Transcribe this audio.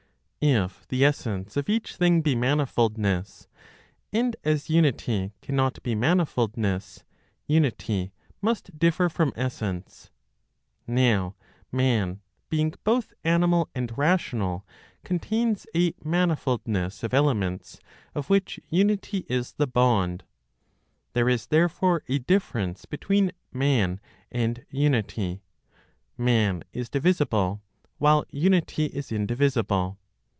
If the essence of each thing be manifoldness, and as unity cannot be manifoldness, unity must differ from essence. Now man, being both animal and rational, contains a manifoldness of elements of which unity is the bond. There is therefore a difference between man and unity; man is divisible, while unity is indivisible.